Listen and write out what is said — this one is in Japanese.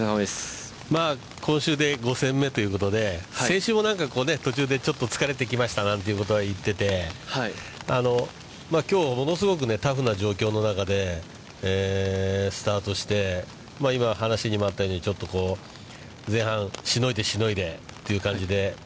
まあ、今週で５戦目ということで、先週もなんかこうね、途中でちょっと疲れてきましたということを言ってて、きょう、物すごくタフな状況の中でスタートして、今、話にもあったように、前半しのいでしのいでという感じで。